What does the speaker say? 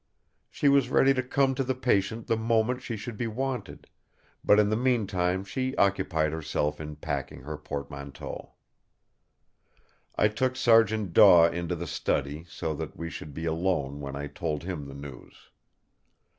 She was ready to come to the patient the moment she should be wanted; but in the meantime she occupied herself in packing her portmanteau. I took Sergeant Daw into the study, so that we should be alone when I told him the news.